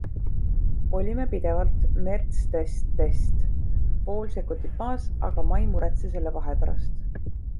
Olime pidevalt Mercdestest pool sekundit maas, aga ma ei muretse selle vahe pärast.